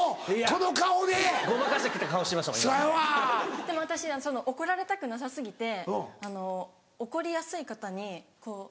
でも私怒られたくなさ過ぎてあの怒りやすい方にこう。